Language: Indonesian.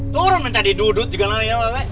turun mencari duduk juga lah ya wabek